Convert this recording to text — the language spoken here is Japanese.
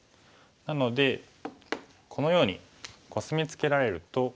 なのでこのようにコスミツケられると。